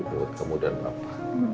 menurut kamu dan papa